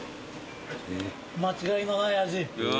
間違いのない味。